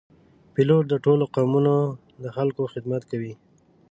پیلوټ د ټولو قومونو د خلکو خدمت کوي.